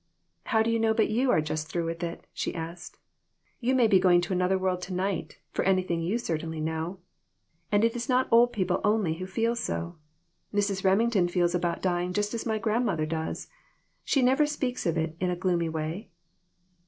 "How do you know but you are just through with it?" she asked. "You may be going to another world to night, for anything you certainly know. And it is not old people only who feel so. Mrs. Remington feels about dying just as my grandmother does. She never speaks of it in a gloomy way."